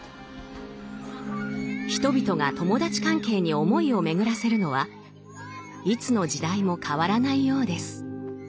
人々が友達関係に思いを巡らせるのはいつの時代も変わらないようです。